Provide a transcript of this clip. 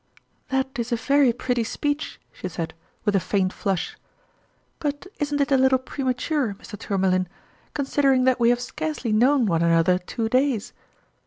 " That is a very pretty speech," she said, with a faint flush ;" but isn't it a little premature, Mr. Tourmalin, considering that we have scarce ly known one another two days